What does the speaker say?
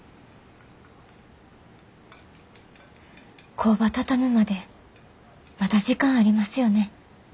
工場畳むまでまだ時間ありますよね？